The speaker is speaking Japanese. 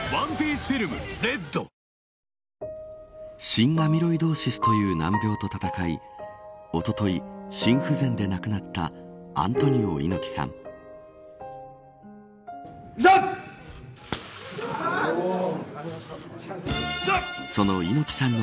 心アミロイドーシスという難病と闘いおととい、心不全で亡くなったアントニオ猪木さん。